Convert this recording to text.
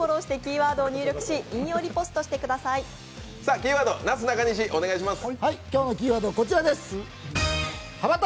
キーワードをなすなかにしのお二人、お願いします。